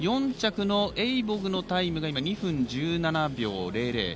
４着のエイボグのタイムが２分１７秒００。